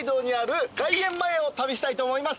旅したいと思います。